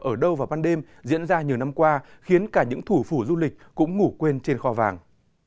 ở đâu và ban đêm diễn ra nhiều năm qua khiến cả những thủ phủ du lịch cũng ngủ quên trên kho vàng